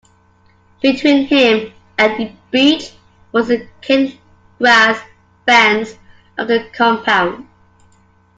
Between him and the beach was the cane-grass fence of the compound.